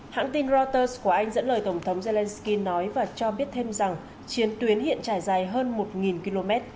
hãng tin reuters của anh dẫn lời tổng thống zelensky nói và cho biết thêm rằng chiến tuyến hiện trải dài hơn một km